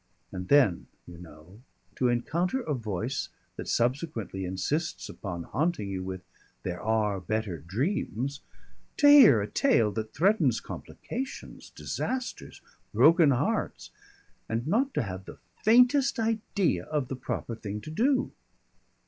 And then, you know, to encounter a voice, that subsequently insists upon haunting you with "There are better dreams"; to hear a tale that threatens complications, disasters, broken hearts, and not to have the faintest idea of the proper thing to do.